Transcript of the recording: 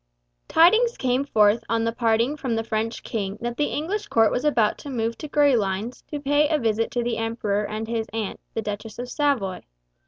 Tidings came forth on the parting from the French King that the English Court was about to move to Gravelines to pay a visit to the Emperor and his aunt, the Duchess of Savoy.